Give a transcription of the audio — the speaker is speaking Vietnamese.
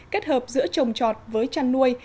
kết hợp giữa trồng trọt với chăn nuôi